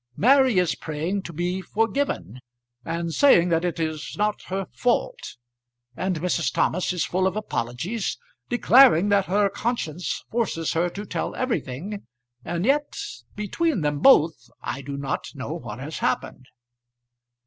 "Mary is praying to be forgiven, and saying that it is not her fault; and Mrs. Thomas is full of apologies, declaring that her conscience forces her to tell everything; and yet, between them both, I do not know what has happened."